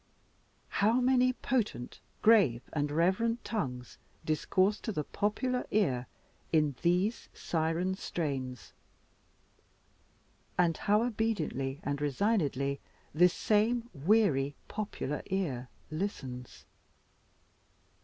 How many potent, grave and reverent tongues discourse to the popular ear in these siren strains, and how obediently and resignedly this same weary popular ear listens!